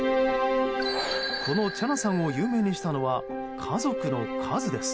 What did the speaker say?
このチャナさんを有名にしたのは家族の数です。